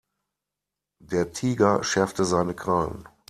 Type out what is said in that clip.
Der Tiger schärfte seine Krallen.